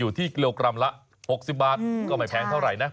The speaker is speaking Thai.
กิโลกรัมละ๖๐บาทก็ไม่แพงเท่าไหร่นะ